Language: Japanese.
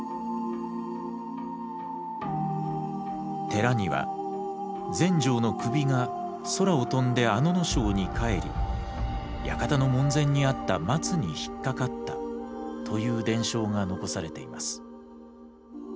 寺には全成の首が空を飛んで阿野荘に帰り館の門前にあった松に引っ掛かったという伝承が残されています。